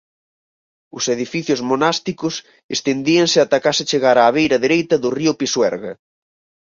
Os edificios monásticos estendíanse ata case chegar á beira dereita do río Pisuerga.